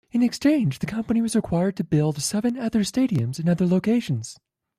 In exchange, the company was required to build seven other stadiums in other locations.